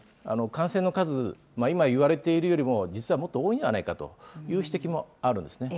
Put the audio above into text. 感染の数、今、いわれているよりも実はもっと多いのではないかという指摘もあるんですね。